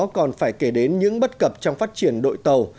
còn phải kể đến những bất cập trong phát triển đội tàu